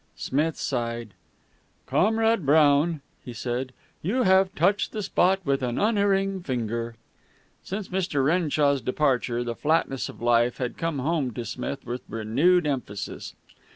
Smith sighed. "Comrade Brown," he said, "you have touched the spot with an unerring finger." Since Mr. Renshaw's departure, the flatness of life had come home to Smith with renewed emphasis.